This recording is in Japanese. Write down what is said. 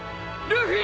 ルフィ！